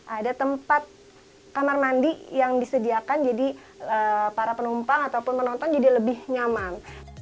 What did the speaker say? ada tempat kamar mandi yang disediakan jadi para penumpang ataupun penonton jadi lebih nyaman